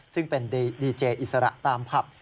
ซึ่งเป็นดีเจอิสระตามผับ